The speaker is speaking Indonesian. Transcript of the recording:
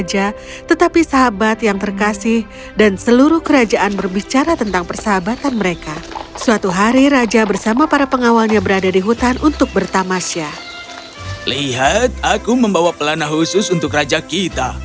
lihat aku membawa pelana khusus untuk raja kita